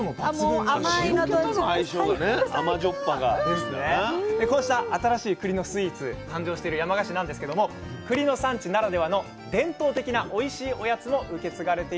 でこうした新しいくりのスイーツ誕生してる山鹿市なんですけどもくりの産地ならではの伝統的なおいしいおやつも受け継がれています。